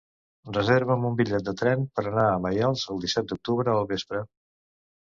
Reserva'm un bitllet de tren per anar a Maials el disset d'octubre al vespre.